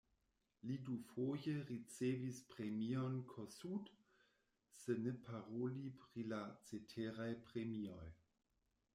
Li dufoje ricevis premion Kossuth, se ne paroli pri la ceteraj premioj.